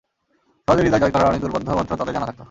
সহজে হৃদয় জয় করার অনেক দুর্বোধ্য মন্ত্র তাদের জানা থাকত।